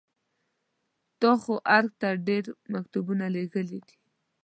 تا خو ارګ ته ډېر مکتوبونه لېږلي دي.